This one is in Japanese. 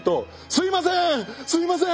すいません！